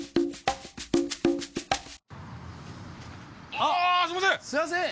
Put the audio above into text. あすいません！